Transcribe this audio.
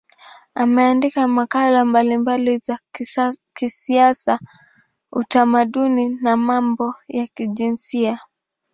Ameandika makala mbalimbali za kisiasa, utamaduni na mambo ya kijinsia.